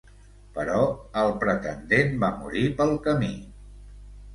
Però el pretendent va morir pel camí.